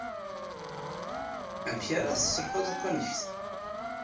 Amek ara tesselḥuḍ akk anect-a?